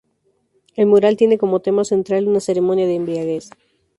El mural tiene como tema central una ceremonia de embriaguez.